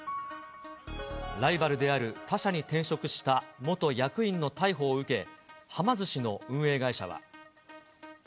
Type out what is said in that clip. ライバルである他社に転職した元役員の逮捕を受け、はま寿司の運営会社は。